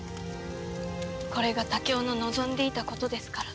これが武夫の望んでいたことですから。